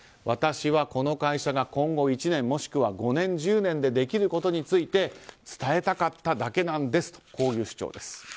私はこの会社が今後１年もしくは５年１０年でできることについて伝えたかっただけという主張。